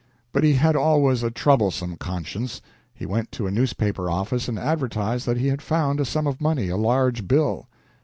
But he had always a troublesome conscience. He went to a newspaper office and advertised that he had found a sum of money, a large bill.